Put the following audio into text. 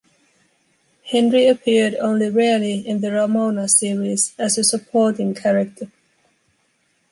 Henry appeared only rarely in the Ramona series, as a supporting character.